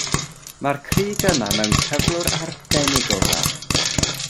Mae'r crug yma mewn cyflwr arbennig o dda.